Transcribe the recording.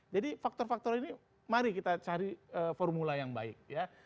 jadi faktor faktor ini mari kita cari formula yang baik